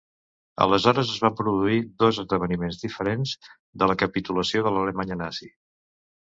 Aleshores es van produir dos esdeveniments diferents de la capitulació de l'Alemanya nazi.